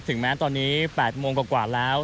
ถึงแม้ตอนนี้๘โมงกว่าแล้ว